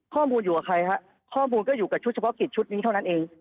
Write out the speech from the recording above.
ข้อมูลอยู่กับใครฮะข้อมูลก็อยู่กับชุดเฉพาะกิจชุดนี้เท่านั้นเอง